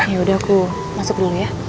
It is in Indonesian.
yaudah aku masuk dulu ya